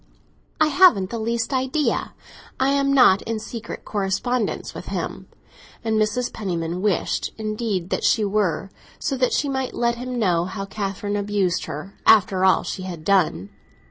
"I haven't the least idea; I am not in secret correspondence with him!" And Mrs. Penniman wished indeed that she were, so that she might let him know how Catherine abused her, after all she had done.